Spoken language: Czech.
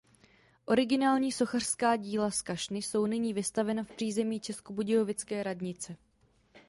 Originální sochařská díla z kašny jsou nyní vystavena v přízemí českobudějovické radnice.